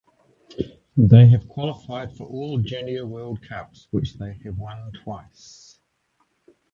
They have qualified for all Junior World Cups which they have won twice.